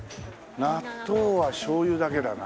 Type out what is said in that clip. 納豆はしょうゆだけだな。